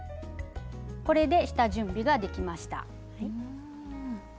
これで下準備ができました。